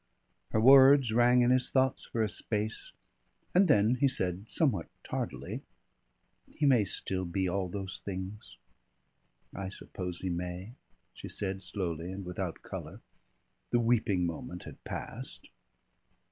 Her words rang in his thoughts for a space, and then he said somewhat tardily, "He may still be all those things." "I suppose he may," she said slowly and without colour. The weeping moment had passed.